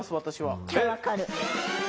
私は。